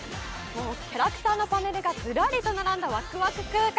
キャラクターのパネルがずらりと並んだワクワク空間。